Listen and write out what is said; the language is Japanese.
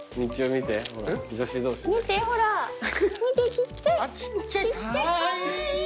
見てちっちゃい。